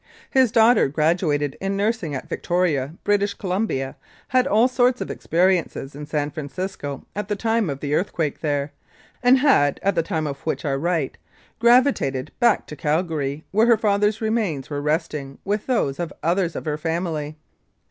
His daughter graduated in nursing at Victoria, British Columbia, had all sorts of experiences in San Francisco at the time of the earth quake there, and had, at the time of which I write, gravi tated back to Calgary, where her father's remains were resting with those of others of her family.